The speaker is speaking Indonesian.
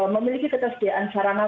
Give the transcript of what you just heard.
memiliki ketersediaan sarana